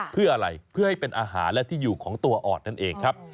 เพื่ออะไรเพื่อให้เป็นอาหารและที่อยู่ของตัวออดนั่นเองครับ